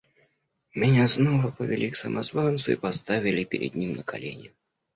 Меня снова повели к самозванцу и поставили перед ним на колени.